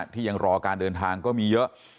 ที่ยังรอการเดินทางก็มีเยอะ